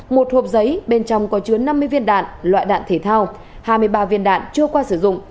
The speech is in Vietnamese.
một hộp giấy bên trong có chứa năm mươi viên đạn loại đạn thể thao hai mươi ba viên đạn chưa qua sử dụng